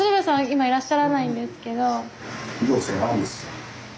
今いらっしゃらないんですけど。